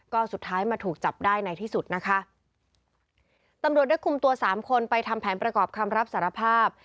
ก็สุดท้ายมาถูกจับได้ในที่สุดนะคะตำรวจได้คุมตัวสามคนไปทำแผนประกอบคำรับสารภาพ